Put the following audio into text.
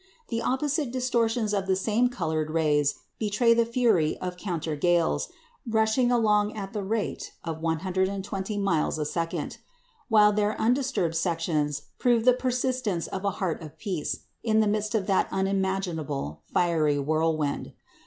The opposite distortions of the same coloured rays betray the fury of "counter gales" rushing along at the rate of 120 miles a second; while their undisturbed sections prove the persistence of a "heart of peace" in the midst of that unimaginable fiery whirlwind.